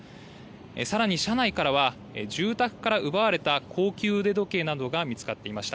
さらに車内からは住宅から奪われた高級腕時計などが見つかっていました。